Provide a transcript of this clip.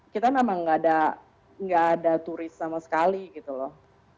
kita memang nggak ada turis sama sekali gitu loh